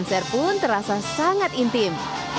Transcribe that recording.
walaupun terasa sangat intim